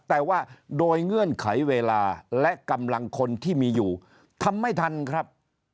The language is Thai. แต่ว่าโดยเงื่อนไขเวลาและกำลังคนที่มีอยู่ทำไม่ทันครับ